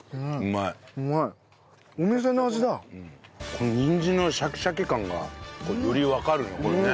このにんじんのシャキシャキ感がよりわかるねこれね。